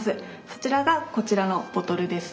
そちらがこちらのボトルです。